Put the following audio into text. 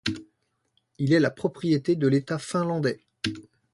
Il est la propriété de l'État finlandais.